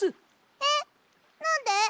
えっなんで？